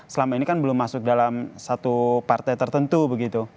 selama ini kan belum masuk dalam satu partai tertentu begitu